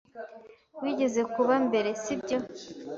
Wigeze kuba mbere, sibyo?